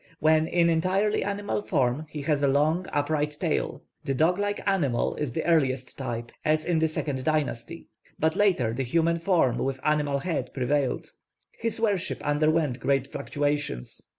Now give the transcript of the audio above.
When in entirely animal form he has a long upright tail. The dog like animal is the earliest type, as in the second dynasty; but later the human form with animal head prevailed. His worship underwent great fluctuations.